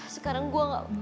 sekarang gue gak